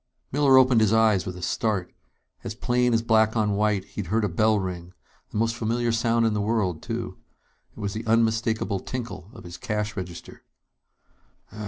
Miller opened his eyes with a start. As plain as black on white, he'd heard a bell ring the most familiar sound in the world, too. It was the unmistakable tinkle of his cash register.